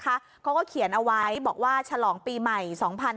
เขาก็เขียนเอาไว้บอกว่าฉลองปีใหม่๒๕๕๙